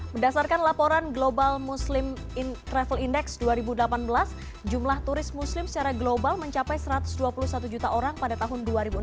berdasarkan laporan global muslim travel index dua ribu delapan belas jumlah turis muslim secara global mencapai satu ratus dua puluh satu juta orang pada tahun dua ribu enam belas